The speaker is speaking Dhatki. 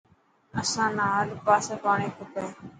اسان نا هر پاسي پاڻي کپي.